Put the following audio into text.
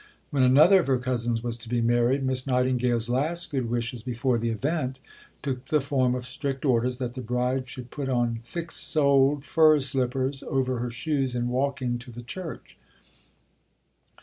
When another of her cousins was to be married, Miss Nightingale's last good wishes, before the event, took the form of strict orders that the bride should put on "thick soled fur slippers over her shoes in walking to the church.